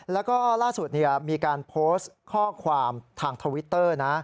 แล้วก็ล่าสุดมีการโพสต์ข้อความทางทวิตเตอร์นะ